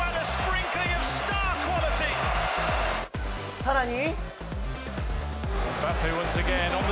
さらに。